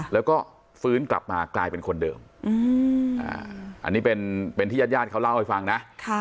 แล้วก็ฟื้นกลับมากลายเป็นคนเดิมอันนี้เป็นที่ญาติญาติเขาเล่าให้ฟังนะ